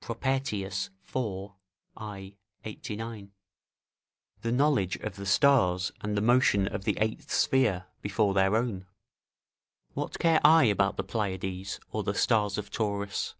Propertius, iv. I, 89.] the knowledge of the stars and the motion of the eighth sphere before their own: ["What care I about the Pleiades or the stars of Taurus?"